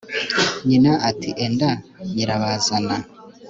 nyina ati 'enda nyirabazana